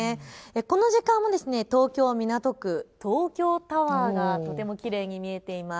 この時間も東京港区、東京タワーがとてもきれいに見えています。